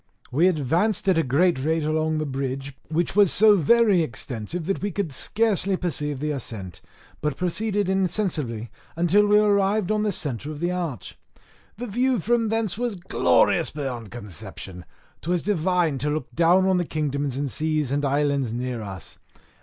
We advanced at a great rate along the bridge, which was so very extensive that we could scarcely perceive the ascent, but proceeded insensibly until we arrived on the centre of the arch. The view from thence was glorious beyond conception; 'twas divine to look down on the kingdoms and seas and islands under us.